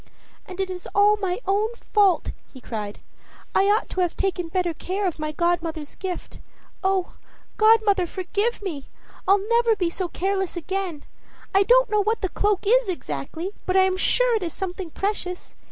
"And it is all my own fault!" he cried. "I ought to have taken better care of my godmother's gift. Oh, godmother, forgive me! I'll never be so careless again. I don't know what the cloak is exactly, but I am sure it is something precious.